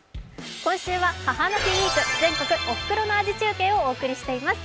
今週は「母の日ウイーク全国おふくろの味中継」をお伝えしています。